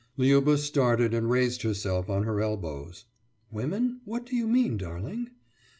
Liuba started and raised herself on her elbows. »Women? What do you mean, darling?